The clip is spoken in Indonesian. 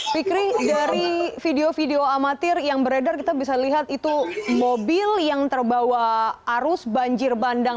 fikri dari video video amatir yang beredar kita bisa lihat itu mobil yang terbawa arus banjir bandang